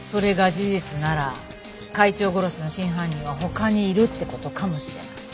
事実なら会長殺しの真犯人は他にいるって事かもしれない。